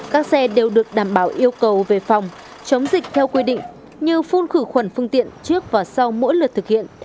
các xe đều được đảm bảo yêu cầu về phòng chống dịch theo quy định như phun khử khuẩn phương tiện trước và sau mỗi lượt thực hiện